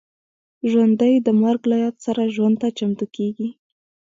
ژوندي د مرګ له یاد سره ژوند ته چمتو کېږي